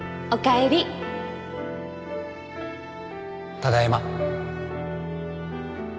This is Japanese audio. ただいま。